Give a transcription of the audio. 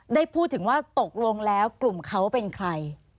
ได้พูดถึงว่าตกลงแล้วกลุ่มเขาเป็นใคร